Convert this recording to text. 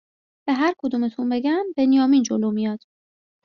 به هرکدومتون بگم بنیامین جلو میاد